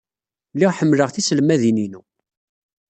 Lliɣ ḥemmleɣ tiselmadin-inu.